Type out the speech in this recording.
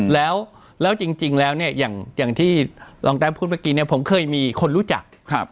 แล้วจริงแล้วอย่างที่รองแป๊บพูดเมื่อกี้ผมเคยมีคนรู้จัก